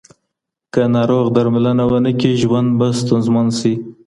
که ناروغ درملنه ونکړي، ژوند به ستونزمن شي.